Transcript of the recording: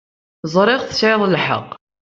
Ẓṛiɣ tesɛiḍ lḥeq.